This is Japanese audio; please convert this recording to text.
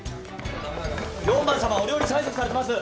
４番様お料理催促されてます！